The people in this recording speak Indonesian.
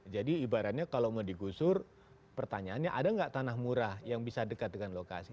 jadi ibaratnya kalau mau digusur pertanyaannya ada nggak tanah murah yang bisa dekat dengan lokasi